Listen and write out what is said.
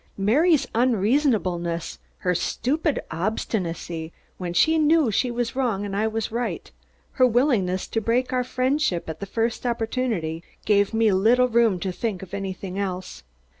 Mary's unreasonableness, her stupid obstinacy, when she knew she was wrong and I was right, her willingness to break our friendship at the first opportunity, gave me little room to think of anything else.